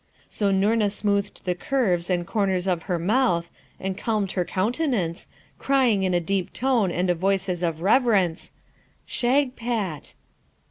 So Noorna smoothed the curves and corners of her mouth and calmed her countenance, crying in a deep tone and a voice as of reverence, 'Shagpat!'